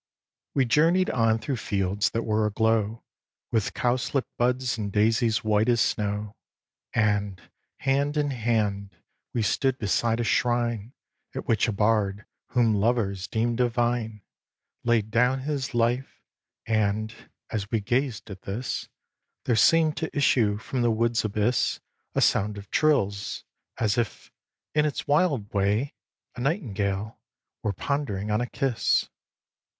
xii. We journey'd on through fields that were a glow With cowslip buds and daisies white as snow; And, hand in hand, we stood beside a shrine At which a bard whom lovers deem divine, Laid down his life; and, as we gazed at this, There seem'd to issue from the wood's abyss A sound of trills, as if, in its wild way, A nightingale were pondering on a kiss.